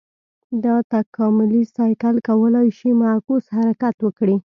دا تکاملي سایکل کولای شي معکوس حرکت وکړي.